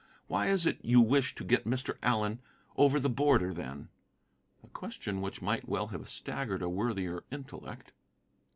Why is it you wish to get Mr. Allen over the border, then?" A question which might well have staggered a worthier intellect.